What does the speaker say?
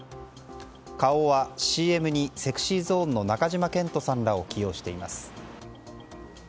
花王はＣＭにＳｅｘｙＺｏｎｅの中島健人さんらを起用しています。